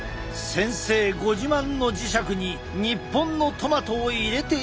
先生ご自慢の磁石に日本のトマトを入れていただく。